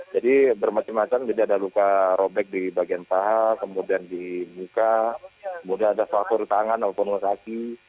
jadi bermacam macam jadi ada luka robek di bagian pahal kemudian di muka kemudian ada falkur tangan ataupun kaki